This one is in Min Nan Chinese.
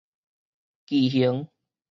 奇形